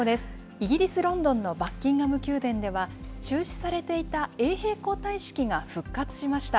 イギリス・ロンドンのバッキンガム宮殿では、中止されていた衛兵交代式が復活しました。